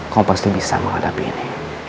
kau pasti bisa menghadapi ini